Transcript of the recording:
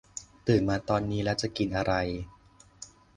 ตื่นมาตอนนี้แล้วจะกินอะไร